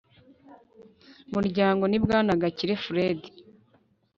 muryango ni Bwana GAKIRE Fred